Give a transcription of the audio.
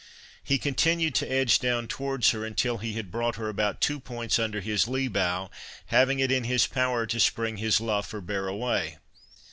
He continued to edge down towards her, until he had brought her about two points under his lee bow, having it in his power to spring his luff, or bear away.